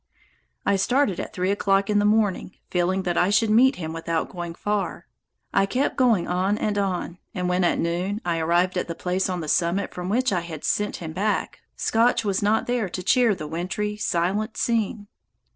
I started at three o'clock in the morning, feeling that I should meet him without going far. I kept going on and on, and when, at noon, I arrived at the place on the summit from which I had sent him back, Scotch was not there to cheer the wintry, silent scene.